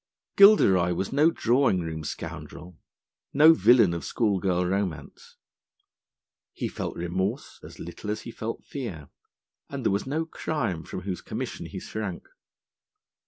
Gilderoy was no drawing room scoundrel, no villain of schoolgirl romance. He felt remorse as little as he felt fear, and there was no crime from whose commission he shrank.